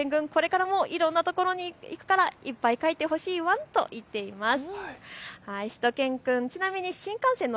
しゅと犬くん、これからもいろんなところに行くからいっぱい描いてほしいワンと言っています。